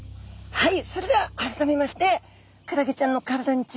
はい。